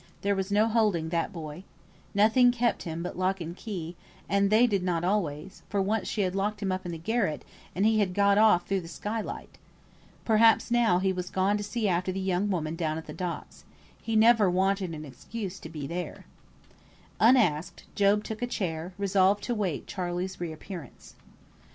There was no holding that boy. Nothing kept him but lock and key, and they did not always; for once she had him locked up in the garret, and he had got off through the skylight. Perhaps now he was gone to see after the young woman down at the docks. He never wanted an excuse to be there. Unasked, Job took a chair, resolved to await Charley's re appearance.